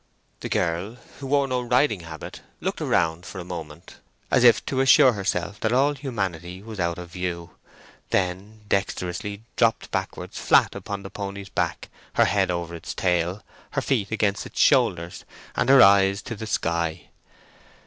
The girl, who wore no riding habit, looked around for a moment, as if to assure herself that all humanity was out of view, then dexterously dropped backwards flat upon the pony's back, her head over its tail, her feet against its shoulders, and her eyes to the sky.